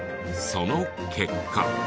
その結果。